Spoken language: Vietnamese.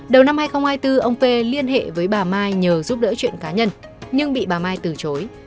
đầu năm hai nghìn hai mươi bốn ông p liên hệ với bà mai nhờ giúp đỡ chuyện cá nhân nhưng bị bà mai từ chối